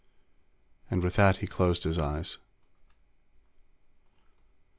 And with that, he closed his eyes.